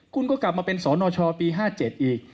คุณก็กลับมาเป็นสนชปี๕๗อีก